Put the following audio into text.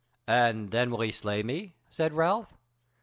"And then will he slay me?" said Ralph.